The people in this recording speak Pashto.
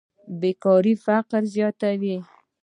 بېکاري فقر زیاتوي.